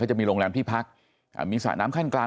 จะมีโรงแรมที่พักมีสระน้ำขั้นกลาง